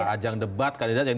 ajang debat kandidat yang